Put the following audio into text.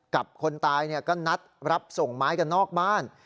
กับคนตายก็นัดรับส่งไม้กันนอกบ้าน